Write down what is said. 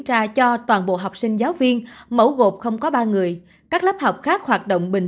ra cho toàn bộ học sinh giáo viên mẫu gộp không có ba người các lớp học khác hoạt động bình